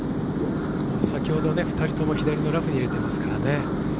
先ほどね、２人とも左のラフに入れていますからね。